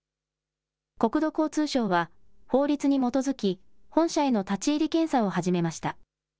国土交通省は法律に基づき本社への立ち入り検査を始めました。